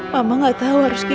mama gak tahu harus gimana